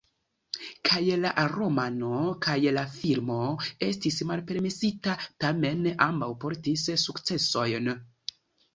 Kaj la romano, kaj la filmo estis malpermesita, tamen ambaŭ portis sukcesojn.